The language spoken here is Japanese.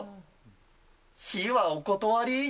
火はお断り。